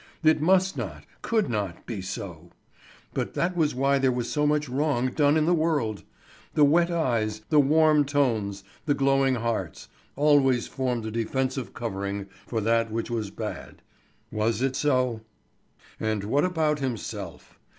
it must not, could not, be so. But that was why there was so much wrong done in the world. The wet eyes, the warm tones, the glowing hearts, always formed a defensive covering for that which was bad. Was it so? And what about himself?